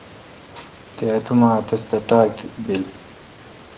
تے اتو ما اے° تس تہ ٹاک بیل۔